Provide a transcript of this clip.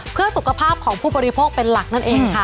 เพื่อสุขภาพของผู้บริโภคเป็นหลักนั่นเองค่ะ